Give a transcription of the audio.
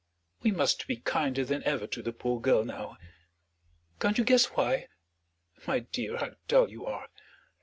We must be kinder than ever to the poor girl now; can't you guess why? My dear, how dull you are!